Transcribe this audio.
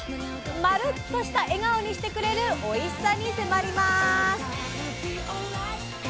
「まるっ」とした笑顔にしてくれるおいしさに迫ります！